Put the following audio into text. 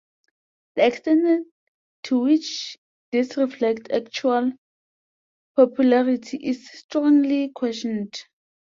The extent to which this reflects actual popularity is strongly questioned.